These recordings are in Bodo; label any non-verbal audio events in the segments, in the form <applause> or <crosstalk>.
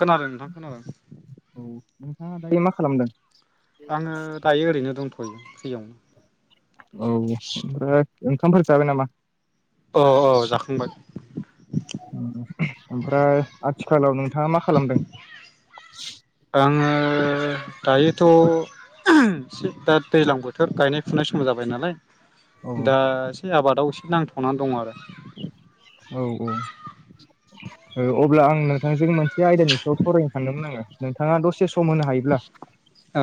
खोनादों नोंथां खोनादों औ नोंथाङा दायो मा खालामदों आङो दायो ओरैनो दंथ'यो <inaudible> औ ओमफ्राय ओंखामफोर जाबाय नामा? अ औ जाखांबाय ओमफ्राय आथिखालाव नोंथाङा मा खालामदों आङो दायोथ' एसे दा दैज्लां बोथोर गायनाय फुनाय समाव जाबाय नालाय औ दा एसे आबादाव एसे नांथ'नानै दं आरो औ औ अब्ला आं नोंथांजों बे आयदानि सायाव फरायनो सानदोंमोन आङो नोंथाङा दसे सम होनो हायोब्ला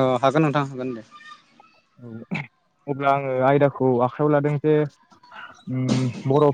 औ हागोन नोंथां हागोन दे औ अब्ला आङो आयदाखौ आखाइायाव लादों जे उम बर'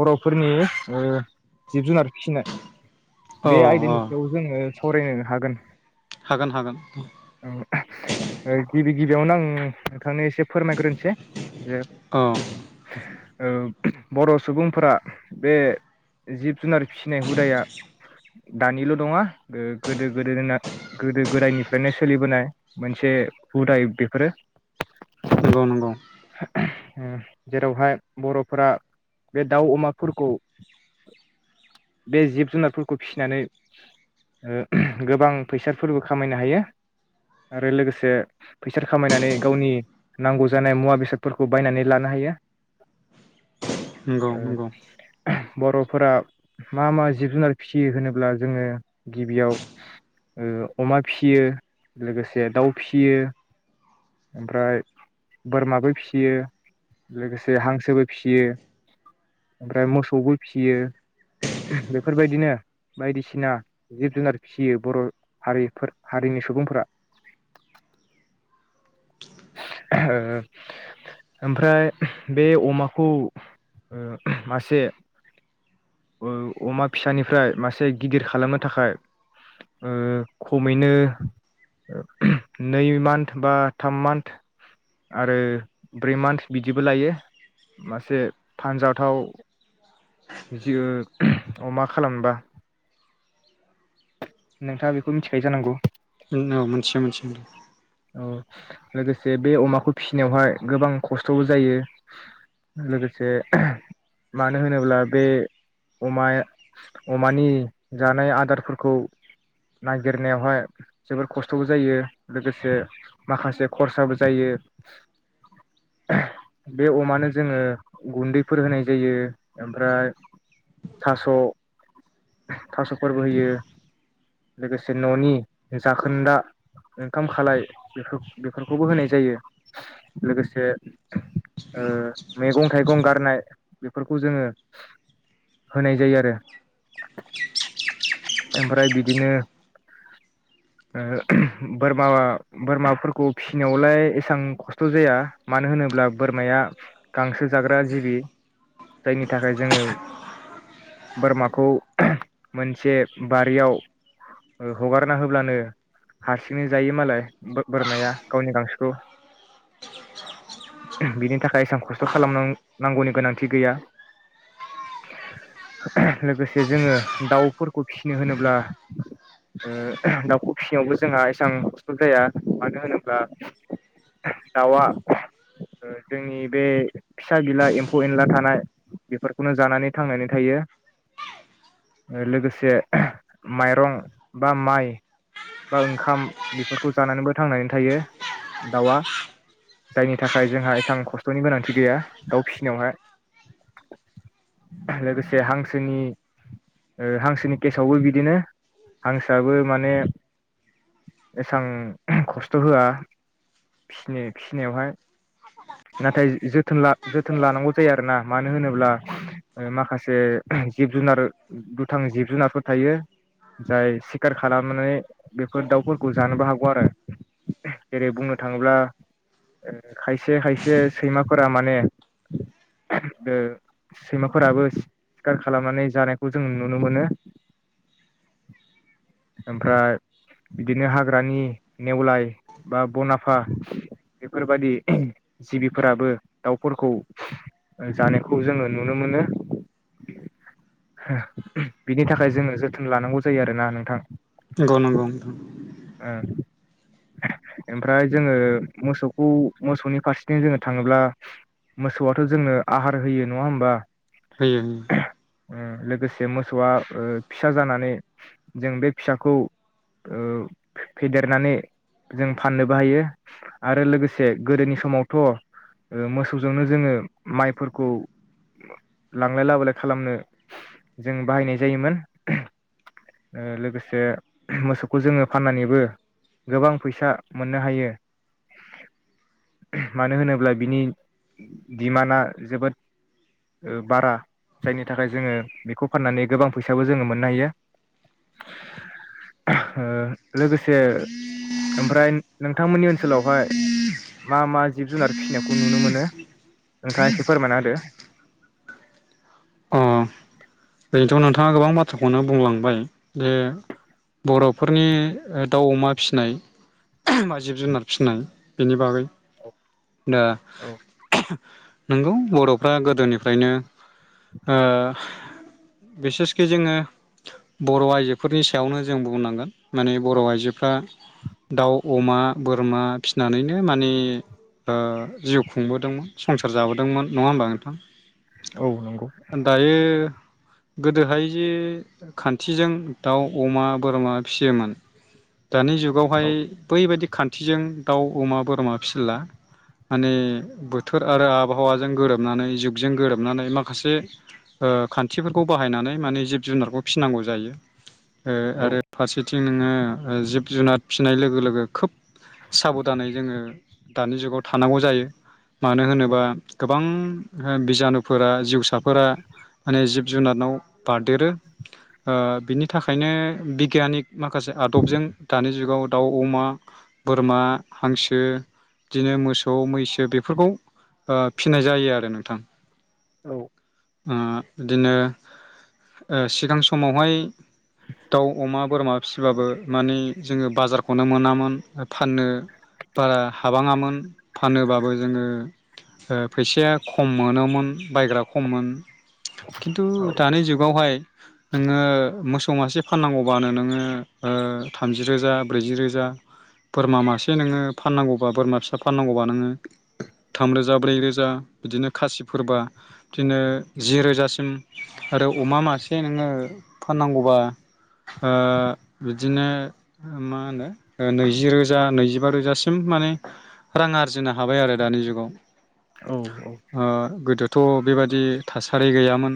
बर'फोरनि जिब जुनार फिनाय औ बे औ आयदानिटियाव जोङो सरायनो हागोन हागोन हागोन गिबि गिबियावनो आं <unintelligible> नोंथां नो एसे फोरमायग्रोनसै जे औ ओ बर' सुबुंफोरा बे जिब जुनार फिसिनाय हुदाया दानिल' नङा गोदो गोदो गोदो गोदायनिफ्रायनो सोलिबोनाय मोनसे हुदा बेफोरो नंगौ नंगौ जेरावहाय बर'फोरा बे दाउ अमाफोरखौ बे जिब जुनारफोरखौ फिसिनानै गोबां फैसाफोरबो खामायनो हायो आरो लोगोसे फैसा खामायनानै गावनि नांगौ जानाय मुवा बेसाद बेसादफोरखौ बायनानै लानो हायो नंगौ ओ नंगौ <unintelligible> बर'फोरा मा मा जिब जुनार फिसियो होनोब्ला जोङो गिबियाव ओ अमा फियो लोगोसे दाउ फियो ओमफ्राय बोरमाबो फिसियो लोगोसे हांसोबो फिसियो ओमफ्राय मोसौबो फिसियो बेफोरबायदिनो बायदिसिना जिब जुनार फिसियो बर' हारिफोर हारिनि सुबुंफोरा ओ ओमफ्राय बे अमाखौ मासे अमा फिसानिफ्राय मासे गिदिर खालामनो थाखाय ओ खमैनो नै मान्थ बा थाम मान्थ आरो ब्रै मान्थ बिदिबो लायो मासे फानजाथाव जि अमा खालामबा नोंथाङा बेखौ मिथिखायो जानांगौ जोंनाव मोनसे मोनसे औ लोगोसे बे अमाखौ फिसिनायावहाय गोबां खस्थ'बो जायो लोगोसे मानो होनोब्ला बे अमाया अमानि जानाय आदारफोरखौ नागिरनायावहाय जोबोर खस्थ'बो जायो लोगोसे माखासे खरसाबो जायो बे अमानो जोङो गुन्दैफोर होनाय जायो ओमफ्राय थास' थास'फोरबो होयो लोगोसे न'नि जाखोन्दा ओंखाम खालाय बेफोर बेफोरखौबो होनाय जायो लोगोसे ओ मैगं थाइगं गारनाय बेफोरखौ जोङो होनाय जायो आरो ओमफ्राय बिदिनो ओ बोरमा बोरमाफोर खौ फिसिनायावलाय एसेबां खस्थ' जाया मानो होनोब्ला बोरमाया गांसो जाग्रा जिबि जायनि थाखाय जोङो बोरमाखौ मोनसे बारियाव हगारना होब्लानो हारसिंनो जायो मालाय बोर माया गावनि गांसोखौ बिनि थाखाय एसेबां खस्थ' खालामनांगौनि गोनांथि गैया लोगोसे जोङो दाउफोरखौ फिसिनो होनोब्ला दाउखौ फिसिनायावबो जोंहा एसां खस्थ' जाया मानो होनोब्ला दाउआ ओ जोंनि बे फिसा गिला एम्फौ एनला थानाय बेफोरखौनो जानानै थांनानै थायो लोगोसे ओ माइरं बा माइ बा ओंखाम बेफोरखौ जानानैबो थांनानै थायो दाउआ जायनि थाखाय जोंहा एसां खस्थ'नि गोनांथि गैया दाउ फिसिनायावहाय लोगोसे हांसोनि ओ हांसोनि केसावबो बिदिनो हांसोआबो माने एसां खस्थ' होआ फिसि-फिनायावहाय नाथाय जोथोन जोथोन लानांगौ जायो आरोना मानो होनोब्ला ओ माखासे जिब जुनार दुथां जिब जुनारफोर थायो जाय सिखार खालामनानै बेफोर दाउफोरखौ जानोबो हागौ आरो जेरै बुंनो थाङोब्ला ओ खायसे खायसे सैमाफोरा माने ओ सैमाफोराबो सिखार खालामनानै जानायखौ जों नुनो मोनो ओमफ्राय बिदिनो हाग्रानि नेवलाय बा बनाफा बेफोरबादि जिबिफोराबो दाउफोरखौ जानायखौ जोङो नुनो मोनो बिनि थाखाय जोङो जोथोन लानांगौ जायो आरोना नोंथां नंग' नंग' नोंथां <unintelligible> ओमफ्राय जोङो मोसौखौ मोसौनि फारसेथिं जोङो थाङोब्ला मोसौआथ' जोंनो आहार होयो नङा होमबा होयो उम लोगोसे मोसौआ ओ फिसा जानानै जों बे फिसाखौ ओ फेदे देरनानै जों फाननोबो हायो आरो लोगोसे गोदोनि समावथ' मोसौजोंनो जोङो माइफोरखौ लांलाय लाबोलाय खालामनो जों बाहायनाय जायोमोन ओ लोगोसे मोसौखौ जोङो फाननानैबो गोबां फैसा मोननो हायो मानो होनोब्ला बिनि डिमान्डआ जोबोद बारा जायनि थाखाय जोङो बेखौ फाननानै गोबां फैसाबो जोङो मोननो हायो ओ लोगोसे ओमफ्राय नोंथांमोननि ओनसोलावहाय मा मा जिब जुनार फिसिनायखौ नुनो मोनो नोंथाङा एसे फोरमायना होदो एरैनोथ' नोंथाङा गोबां बाथ्राखौनो बुंलांबाय जे बर'फोरनि दाउ अमा फिसिनाय बा जिब जुनार फिसिनाय बेनि बागै दा नंगौ बर'फ्रा गोदोनिफ्रायनो ओ बिसेसके जोङो बर' आइजोफोरनि सायावनो जों बुंनांगोन माने बर' आइजोफ्रा दाउ अमा बोरमा फिसिनानैनो माने ओ जिउ खुंबोदोंमोन संसार जाबोदोंमोन नङा होमबा नोंथां औ नंगौ दायो गोदोहाय जे खान्थिजों दाउ अमा बोरमा फिसियोमोन दानि जुगावहाय औ बैबायदि खान्थिजों दाउ अमा बोरमा फिसिला माने बोथोर आरो आबहावाजों गोरोबनानै जुगजों गोरोबनानै माखासे ओ खान थिफोरखौ बाहायनानै माने जिब जुनारखौ फिसिनांगौ जायो ओ नंगौ आरो फारसेथिं नोङो ओ जिब जुनार फिसिनाय लोगो लोगो खोब साबधानै जोङो दानि जुगाव थानांगौ जायो मानो होनोबा गो बां बिजानुफोरा जिउसाफोरा माने जिब जुनाराव बारदेरो ओ बिनि थाखायनो बिगियानिक माखासे आदबजों दानि जुगाव दाउ अमा बोरमा हांसो बिदिनो मोसौ मैसो बेफोरखौ ओ फिनाय जायो आरो नोंथां औ ओ बिदिनो ओ सिगां समावहाय दाउ अमा बोरमा फिसिबाबो मानि जोङो बाजारखौनो मोनामोन फाननो बारा हाबाङामोन फानोबाबो जोङो ओ फैसाया खम मोनोमोन बायग्रा खममोन खिन्थु दानि जुगावहाय नोङो मोसौ मासे फाननांगौबानो नोङो थामजि ओ रोजा ब्रैजि रोजा बोरमा मासे नोङो फाननांगौबा बोरमा फिसा फाननांगौबा नोङो थामरोजा ब्रै रोजा बिदिनो खासिफोरबा बिदिनो जि रोजासिम आरो अमा मासे नोङो फाननांगौबा ओ बिदिनो मा होनो नैजि रोजा नैजिबा रोजासिम माने रां आरजिनो हाबाय आरो दानि जुगाव औ ओ गोदोथ' बेबायदि दि थासारि गैयामोन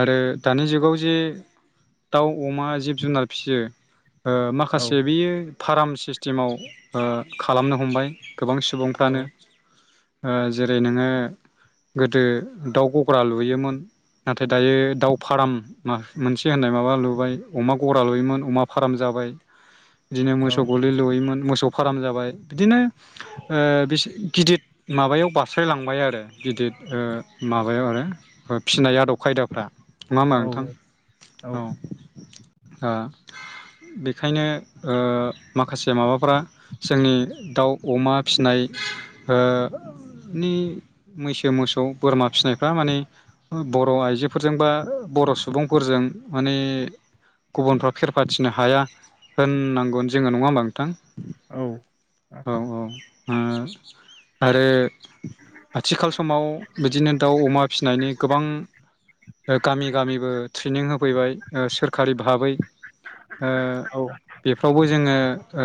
आरो दानि जुगाव जे दाउ अमा जिब जुनार फिसियो। ओ माखासे बेयो फार्म सिस्टेमाव ओ खालामनो हमबाय। गोबां सुबुंफ्रानो ओ जेरै नोंङो गोदो दाउ <unintelligible> गग्रा लुयोमोन नाथाय दायो दाउ फार्म मोनसे होननाय माबा लुबाय अमा गगरा लुयोमोन अमा फाराम जाबाय। बिदिनो मोसौ गलि लैुयोमोनो मोसौ फार्म जाबाय बिदिनो ओ बिसे गिदद माबायाव बारस्रायलांबाय आरो गिदिद ओ माबायाव आरो ओ फिनाय आदब खायदाफ्रा। नंङा होनोमा औ नोंथां औ ओ बेखायनो ओ माखासे माबाफोरा जोंनि दाउ अमा फिसिनाय ओ मैसो मोसौ बोरमा फिसिनाय थारमाने बर' आइजोफोरजों बा बर' सुबुंफोरजों माने गुबुनफ्रा फेरफाथिनो हाया होननांगौ जोङो नङा होमबा नोंथां औ औ ओ आरो आथिखाल समाव बिदिनो दाउ अमा फिनायनि गोबां ओ गामि गामिबो ट्रेनिं होफैबाय ओ सोरखारि भाबै ओ औ बेफ्रावबो जोङो ओ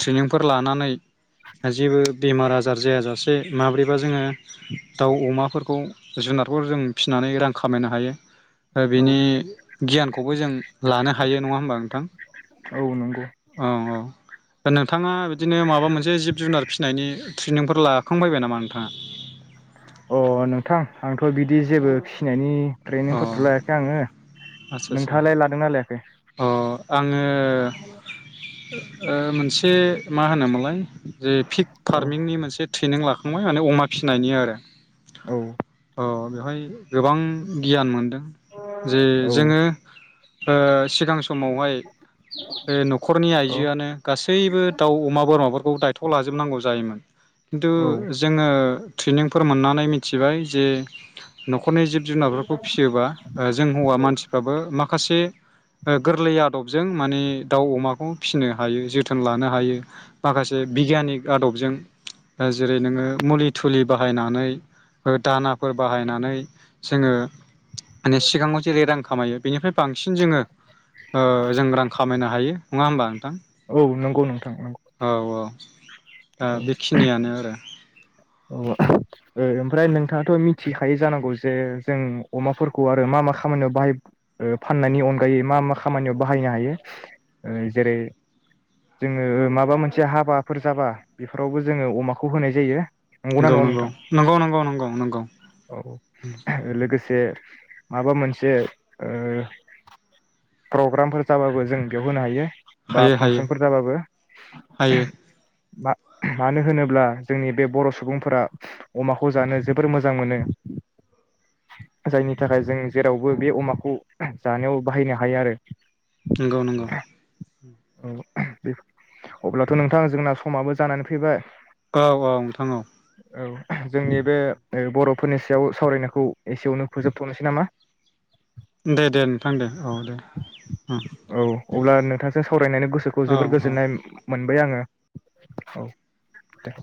ट्रेनिंफोर लानानै जेबो बेमार आजार जायाजासे माब्रैबा जोंङो दाउ अमा फोर जुनारखौ जों फिसिनानै रां खामायनो हायो। <unintelligible> औ बेनि गियानखौबो जों लानो हायो नङा होमबा नोंथां औ नंगौ ओं ओं दा नोंथाङा बिदिनो माबा मोनसे जिब जुनार फिसिनायनि ट्रेनिंफोर लाखांबायबाय नामा नोंथांङा? अ नोंथां आंथ' बिदि जेबो फिसिनायनि अ ट्रेनिंफोरथ' लायाखै आंङो। आदसा नोंथांङालाय लादोंना लायाखै? आंङो ओ मोनसे मा होनोमोनलाय जे फिक औ फार्मिंनि मोनसे ट्रेनिं लाखांबाय माने अमा फिसिनायनि आरो औ अ बेवहाय गोबां गियान मोनदों जे औ जोंङो ओ सिगां समावहाय नखरनि औ आइजोआनो गासैबो दाउ अमा बोरमाफोरखौ दायथ' लाजोबनांगौ जायोमोन खिन्थु जोङो ट्रेनिंफोर मोननानै मिथिबाय जे न'खरनि जिब जुनारफोरखौ फिसियोबा जों हौवा औ मानसि फ्राबो माखासे ओ गोरलै आदबजों माने दाउ अमाखौ फिसिनो हायो जोथोन लानो हायो माखासे बिगियानिक आदबजों ओ जेरै नोंङो मुलि थुलि बाहायनानै ओ दानाफोर बाहायनानै जोंङो माने सिगाङाव जेरै रां खामायो बेनिफ्राय बांसिन जोंङो ओ जों रां खामायनो हायो नंङा होमबा नोंथां? औ नंगौ नोंथां। औ औ दा औ बेखिनियानो आरो औ ओ ओमफ्राय नोंथांङा थ' मिथिखायो जानांगौ जे जों अमाफोरखौ आरो मा मा खामानियाव बाहाय फाननायनि अनगायै मा मा खामानियाव बाहायनो हायो ओ जेरै जोंङो माबा मोनसे हाबाफोर जाबा बेफोरावबो जोंङो अमाखौ होनाय जायो। नंगौना नंगौ नङा नंगौ नोंथां नंगौ। नंगौ नंगौ नंगौ नंगौ <inaudible> जे माबा मोनसे ओ प्रग्रामफोर जाबाबो जों बेयाव होनो हायो। बा हायो हायो फांसनफोर जाबाबो हायो <unintelligible> मा-मानो होनोब्ला जोंनि बे बर' सुबुंफोरा अमाखौ जानो जोबोर मोजां मोनो जायनि थाखाय जों जेरावबो बे अमाखौ जानायाव बाहायनो हायो आरो नोंगौ नोंगौ। <unintelligible> औ अब्लाथ' नोंथां जोंना समाबो जानानै फैबाय। औ औ नोंथां औ। औ जोंनि बे ओ बर'फोरनि सायाव सावरायनायखौ एसेयावनो फोजोबथनोसै नामा? दे दे नोंथां दे औ दे <inaudible> औ अब्ला नोंथांजों सावरायनायनि गोसोखौ औ जोबोर औ। गोजोननाय मोनबाय आङो औ दे।